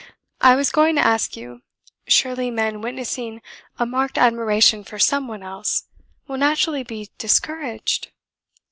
I was going to ask you, surely men witnessing a marked admiration for some one else will naturally be discouraged?"